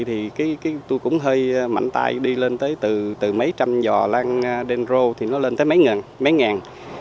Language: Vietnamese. thì tôi cũng hơi mạnh tay đi lên tới từ mấy trăm giò lan đen rô thì nó lên tới mấy mấy ngàn